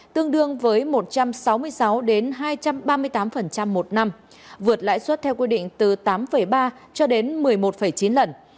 tương đương với một trăm sáu mươi sáu hai trăm ba mươi tám một năm vượt lãi suất theo quy định từ tám ba cho đến một mươi một chín lần